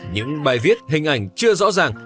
những bài viết hình ảnh chưa rõ ràng